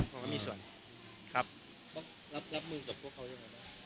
รับมือจบพวกเขาอย่างไรบ้าง